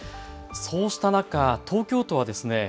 そうした中、東京都はですね